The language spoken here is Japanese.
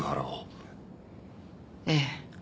ええ。